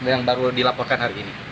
yang baru dilaporkan hari ini